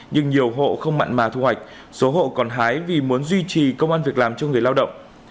nhưng nhiều hộ không mặn mà thu hoạch số hộ còn hái vì muốn duy trì công an việc làm cho người lao động